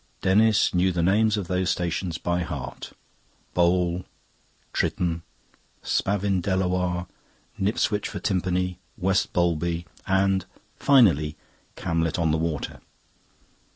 Denis knew the names of those stations by heart. Bole, Tritton, Spavin Delawarr, Knipswich for Timpany, West Bowlby, and, finally, Camlet on the Water.